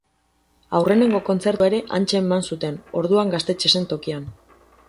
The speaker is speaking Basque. Aurrenengo kontzertua ere hantxe eman zuten, orduan gaztetxe zen tokian.